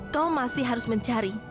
kau masih harus mencari